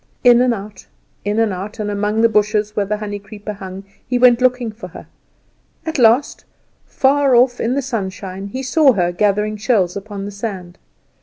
In and out, in and out, and among the bushes where the honey creeper hung, he went looking for her. At last, far off, in the sunshine, he saw her gathering shells upon the sand.